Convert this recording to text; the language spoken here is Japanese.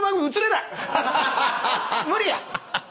無理や。